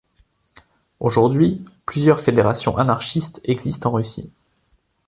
Aujourd'hui plusieurs fédérations anarchistes existent en Russie.